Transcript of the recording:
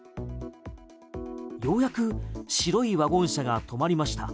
ようやく白いワゴン車が止まりました。